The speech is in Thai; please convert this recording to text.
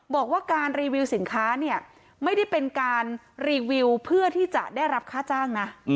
บอกว่าการรีวิวสินค้าเนี่ยไม่ได้เป็นการรีวิวเพื่อที่จะได้รับค่าจ้างนะ